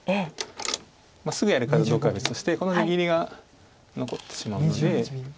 すぐやるかどうかは別としてこの出切りが残ってしまうので。